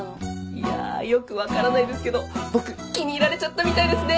いやあよくわからないですけど僕気に入られちゃったみたいですね！